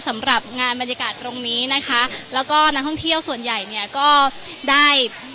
สำหรับงานบรรยากาศตรงนี้นะคะแล้วก็นักท่องเที่ยวส่วนใหญ่เนี่ยก็ได้